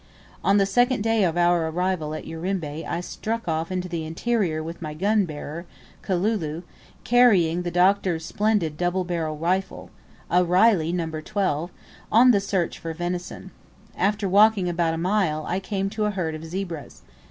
The second day of our arrival at Urimba I struck off into the interior with my gun bearer, Kalulu, carrying the Doctor's splendid double barreled rifle (a Reilly, No. 12), on the search for venison. After walking about a mile I came to a herd of zebras.